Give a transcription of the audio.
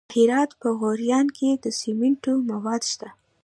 د هرات په غوریان کې د سمنټو مواد شته.